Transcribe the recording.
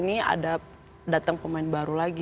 ini ada datang pemain baru lagi